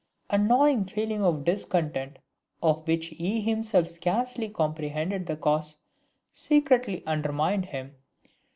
A gnawing feeling of discontent, of which he himself scarcely comprehended the cause, secretly undermined him.